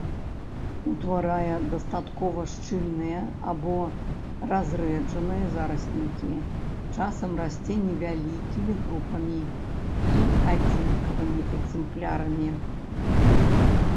Утварае дастаткова шчыльныя або разрэджаныя зараснікі, часам расце невялікімі групамі і адзінкавымі экземплярамі.